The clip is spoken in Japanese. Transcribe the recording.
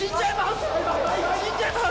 死んじゃいます！